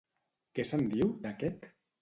Què se'n diu, d'aquest?